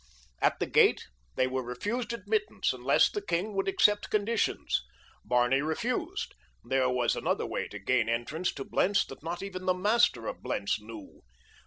At the gate they were refused admittance unless the king would accept conditions. Barney refused—there was another way to gain entrance to Blentz that not even the master of Blentz knew.